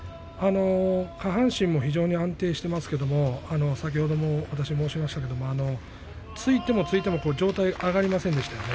下半身も非常に安定していますけれども先ほど、私も申し上げましたが突いても突いても上体が上がりませんでしたよね。